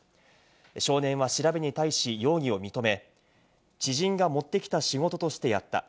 少年は調べに対し容疑を認め、知人が持ってきた仕事としてやった。